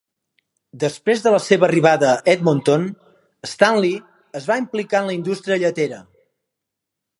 Després de la seva arribada a Edmonton, Stanley es va implicar en la indústria lletera.